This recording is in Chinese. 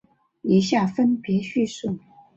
以下分别叙述。